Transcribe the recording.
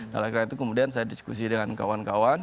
dan akhirnya itu kemudian saya diskusi dengan kawan kawan